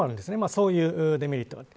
そういうデメリットがある。